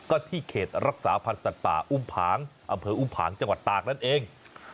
ก็ที่เขตรักษาพันธ์สัตว์ป่าอุ้มผางอำเภออุ้มผางจังหวัดตากนั่นเอง